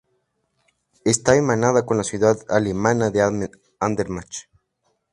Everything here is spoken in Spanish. Está hermanada con la ciudad alemana de Andernach.